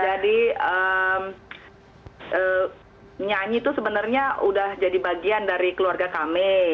jadi nyanyi itu sebenarnya sudah jadi bagian dari keluarga kami